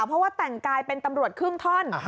เพราะว่าแต่งกายเป็นตำรวจครึ่งท่อน